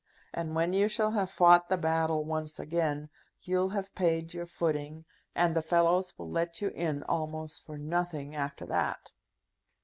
And when you shall have fought the battle once again, you'll have paid your footing, and the fellows will let you in almost for nothing after that."